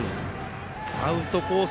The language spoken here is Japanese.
アウトコース